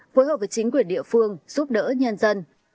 phối hợp với chính quyền địa phương giúp đỡ nhân dân